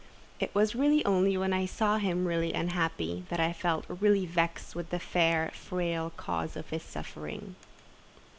It was only when I saw him really unhappy that I felt really vexed with the fair, frail cause of his suffering.